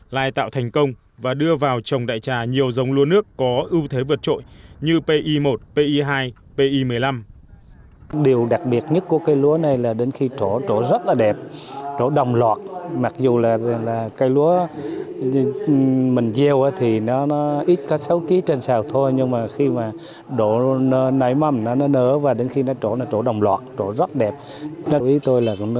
lại tạo thành công và đưa vào trồng đại trà nhiều giống lúa nước có ưu thế vượt trội như pi một pi hai pi một mươi năm